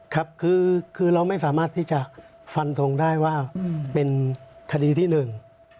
ครับคือคือเราไม่สามารถที่จะฟันทงได้ว่าเป็นคดีที่หนึ่ง